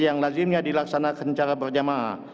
yang lazimnya dilaksanakan secara berjamaah